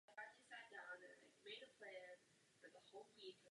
Proto se v tento rok do Říma vydaly davy poutníků.